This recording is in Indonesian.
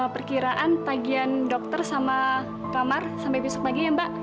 perkiraan tagian dokter sama kamar sampai besok pagi ya mbak